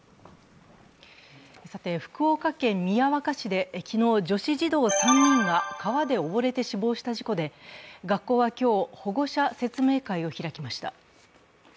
福岡県宮若市で昨日、女子児童３人が川で溺れて死亡した事故で学校は今日、保護者説明会を開きました。